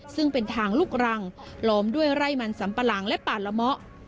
ซึ่งเป็นทางลูกรังล้อมด้วยไร่มันสัมปะหลังและป่าละเมาะ